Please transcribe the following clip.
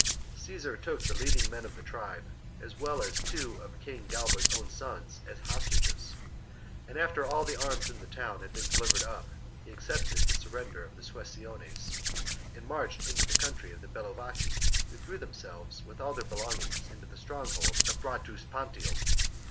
oftheBeiio I 3. Cacsar took the leading^ men of the tribe, vaci at "^.Bratuspan as Well as two of King Galba's own sons, as hostages ; and, after all the arms in the town had been delivered up, he accepted the sur render of the Suessiones, and marched into the country of the Bellovaci, who threw themselves with all their belongings into the stronghold of Bratuspantium.